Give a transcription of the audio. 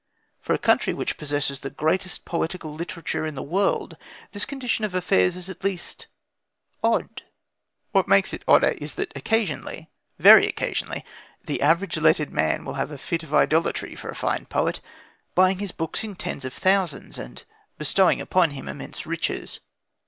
For a country which possesses the greatest poetical literature in the world this condition of affairs is at least odd. What makes it odder is that, occasionally, very occasionally, the average lettered man will have a fit of idolatry for a fine poet, buying his books in tens of thousands, and bestowing upon him immense riches.